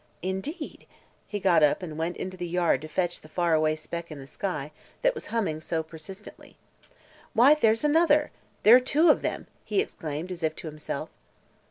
"Indeed!" He got up and went into the yard to watch the far away speck in the sky that was humming so persistently. "Why, there's another! There are two of them," he exclaimed, as if to himself.